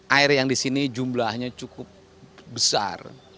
air yang di sini jumlahnya cukup besar